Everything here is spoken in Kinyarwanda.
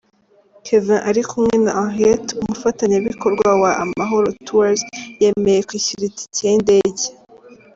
Kevin ari kumwe na Herniette umufatanyabikorwa wa Amahoro Tours yemeye kwishyura itike y'indege.